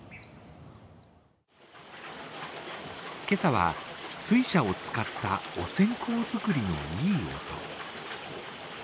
今朝は水車を使ったお線香作りのいい音。